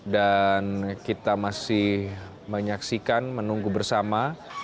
dan kita masih menyaksikan menunggu bersama